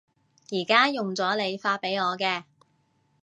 而家用咗你發畀我嘅